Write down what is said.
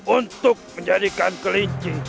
untuk menjadikan kelinci